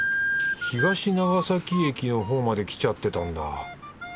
東長崎駅のほうまで来ちゃってたんだ。